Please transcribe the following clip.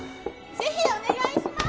ぜひお願いします！